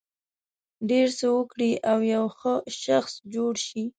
ډېر څه وکړي او یو ښه شخص جوړ شي.